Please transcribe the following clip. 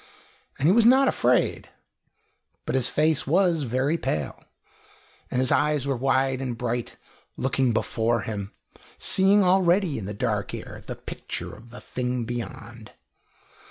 And he was not afraid; but his face was very pale, and his eyes were wide and bright, looking before him, seeing already in the dark air the picture of the thing beyond.